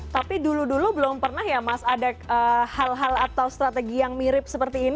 tapi dulu dulu belum pernah ya mas ada hal hal atau strategi yang mirip seperti ini